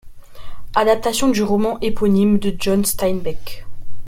Adaptation du roman éponyme de John Steinbeck.